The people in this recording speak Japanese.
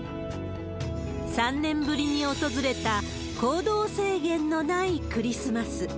３年ぶりに訪れた行動制限のないクリスマス。